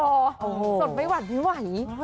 สดไม่หวัดไม่ไหว